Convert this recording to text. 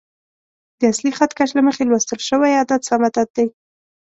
د اصلي خط کش له مخې لوستل شوی عدد سم عدد دی.